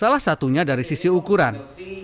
salah satunya dari sisi ukuran